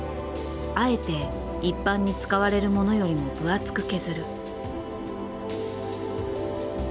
あえて一般に使われる物よりもぶ厚く削る。